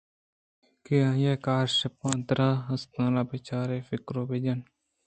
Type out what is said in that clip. کہ آئی ءِ کار شپاں درا ءُ اِستالاں بِہ چار ءُ فکر بِہ جَن